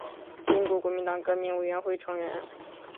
中国国民党革命委员会成员。